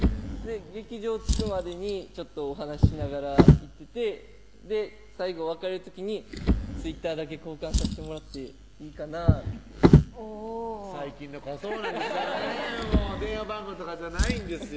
劇場着くまでにお話しながら行ってて最後別れる時に「Ｔｗｉｔｔｅｒだけ交換させてもらっていいかなぁ？」っておぉ最近の子はそうなんですよねぇ電話番号とかじゃないんですよ